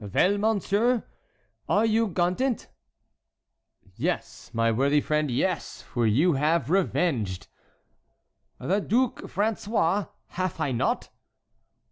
"Vell, monsir, are you gondent?" "Yes, my worthy friend, yes, for you have revenged"— "The Dugue François, haf I not?"